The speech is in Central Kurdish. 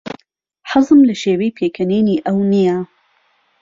حەزم لە شێوەی پێکەنینی ئەو نییە.